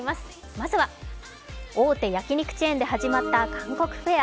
まずは大手焼き肉チェーンで始まった韓国フェア